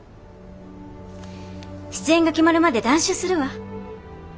出演が決まるまで断酒するわ。